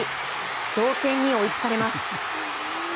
同点に追いつかれます。